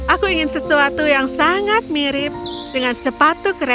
aku ingin sesuatu yang sangat mirip dengan sepatu keren